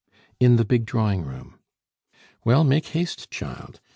"In the big drawing room." "Well, make haste, child.